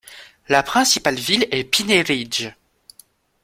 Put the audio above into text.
La principale ville est Pine Ridge.